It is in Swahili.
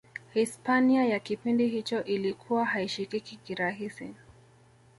hispania ya kipindi hicho ilikuwa haishikiki kirahisi